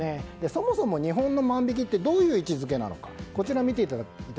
そもそも日本の万引きってどういう位置づけなのか。